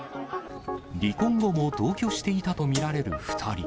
離婚後も同居していたと見られる２人。